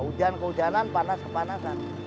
hujan ke hujanan panas ke panasan